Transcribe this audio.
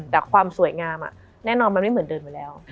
แต่ความสวยงามแน่นอนมันไม่เหมือนเดิมอยู่แล้ว